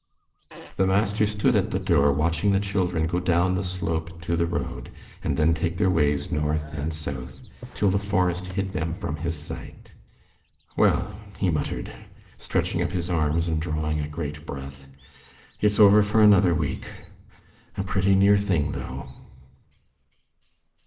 The master stood at the door watching the children go down the slope to the road, and then take their ways north and south, till the forest hid them from his sight. "Well," he muttered, stretching up his arms and drawing a great breath, "it's over for another week. A pretty near thing, though."